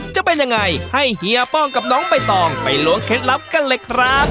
จะเป็นยังไงให้เฮียป้องกับน้องใบตองไปล้วงเคล็ดลับกันเลยครับ